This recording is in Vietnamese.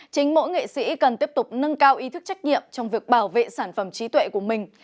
chính mỗi nghệ sĩ cần tiếp tục nâng cao ý thức trách nhiệm trong việc bảo vệ sản phẩm trí tuệ của mình